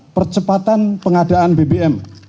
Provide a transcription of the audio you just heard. percepatan pengadaan bbm